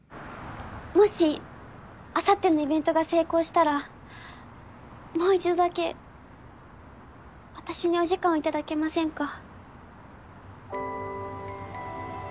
もしあさってのイベントが成功したらもう一度だけ私にお時間をいただけませんか？